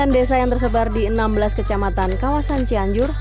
satu ratus enam puluh sembilan desa yang tersebar di enam belas kecamatan kawasan cianjur